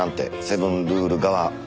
「セブンルール」側。